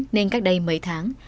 nên cách đây mấy tháng